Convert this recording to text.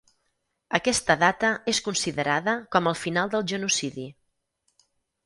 Aquesta data és considerada com el final del genocidi.